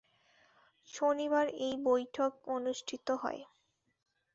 শনিবার এই বৈঠক অনুষ্ঠিত হয়।